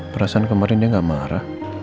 perasaan kemarin dia gak marah